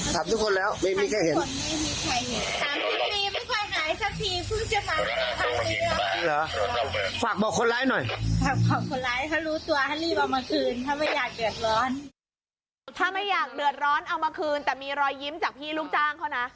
ถ้าไม่อยากเดือดร้อนเอามาคืนแต่มีรอยยิ้มจากพี่ลูกจ้างเขานะ